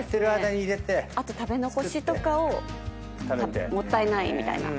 あと食べ残しとかをもったいないみたいな。